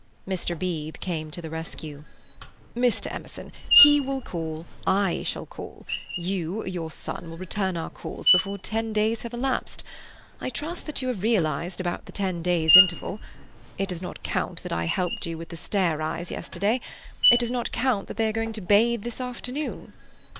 Mr. Beebe came to the rescue. "Mr. Emerson, he will call, I shall call; you or your son will return our calls before ten days have elapsed. I trust that you have realized about the ten days' interval. It does not count that I helped you with the stair eyes yesterday. It does not count that they are going to bathe this afternoon."